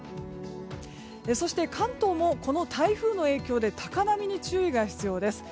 そして関東も、この台風の影響で高波に注意が必要です。